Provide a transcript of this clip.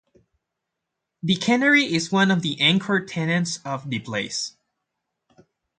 The Cannery is one of the anchor tenants of the place.